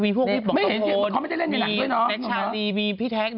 ก็มีพวกทีมอง่ากระโพส